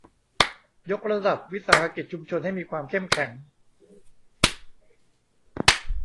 ยกระดับวิสาหกิจชุมชนให้มีความเข้มแข็ง